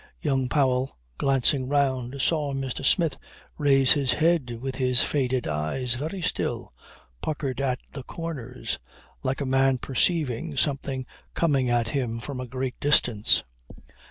Young Powell, glancing round, saw Mr. Smith raise his head with his faded eyes very still, puckered at the corners, like a man perceiving something coming at him from a great distance.